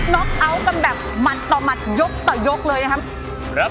็อกเอาท์กันแบบหมัดต่อหมัดยกต่อยกเลยนะครับ